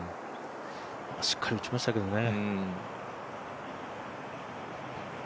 しっかり打ちましたけどね。